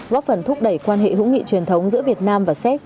góp phần thúc đẩy quan hệ hữu nghị truyền thống giữa việt nam và séc